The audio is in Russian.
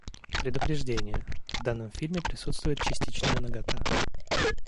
Предупреждение! В данном фильме присутствует частичная нагота.